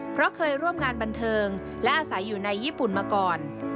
เพราะเคยร่วมงานบันเทิงและอาศัยอยู่ในญี่ปุ่นมาก่อน